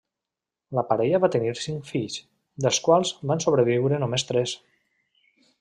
La parella va tenir cinc fills, dels quals en van sobreviure només tres.